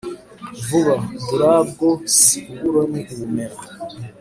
vuba, dorubwo si uburo ni ubumera!